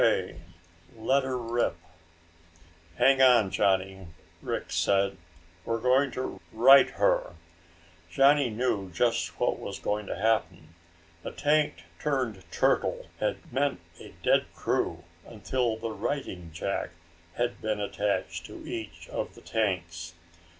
K." "Let her rip!" "Hang on, Johnny," Rick said. "We're going to right her." Johnny knew just what was going to happen. A tank turned turtle had meant a dead crew until the righting jack had been attached to each of the tanks.